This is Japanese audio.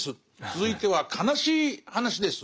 「続いては悲しい話です」。